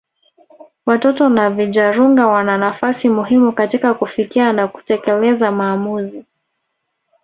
Watoto na vijarunga wana nafasi muhimu katika kufikia na kutekeleza maamuzi